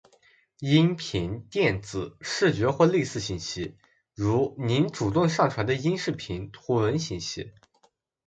·音频、电子、视觉或类似信息。如您主动上传的音视频、图文信息。